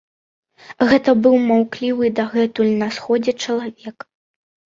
Гэта быў маўклівы дагэтуль на сходзе чалавек.